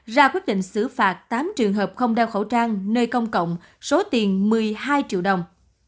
ra quyết định xử phạt tám trường hợp không đeo khẩu trang nơi công cộng số tiền một mươi hai triệu đồng